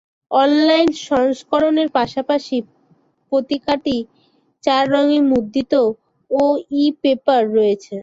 Online সংস্করণের পাশাপাশি পত্রিকাটি চার রঙে মুদ্রিত ও ই-পেপার রয়েছে।